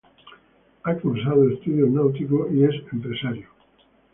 Ha cursado estudios náuticos y es empresario.